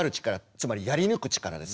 つまり「やり抜く力」ですよね。